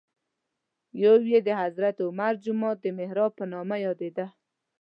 یو یې د حضرت عمر جومات د محراب په نامه یادېده.